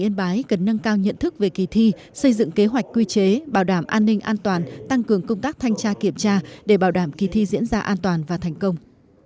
bộ giáo dục và đào tạo đề nghị tỉnh yên bái cần nâng cao nhận thức về kỳ thi xây dựng kế hoạch quy chế bảo đảm an ninh an toàn tăng cường công tác thanh tra kiểm tra để bảo đảm kỳ thi diễn ra an toàn và thành công